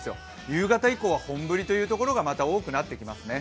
夕方以降は本降りというところがまた多くなってきますね。